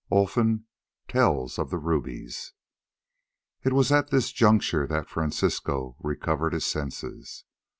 OLFAN TELLS OF THE RUBIES It was at this juncture that Francisco recovered his senses.